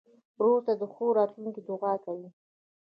ورور ته د ښو راتلونکو دعاوې کوې.